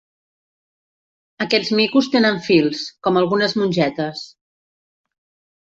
Aquests micos tenen fils, com algunes mongetes.